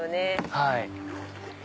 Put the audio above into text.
はい。